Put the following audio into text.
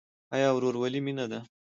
آیا ورورولي مینه ده؟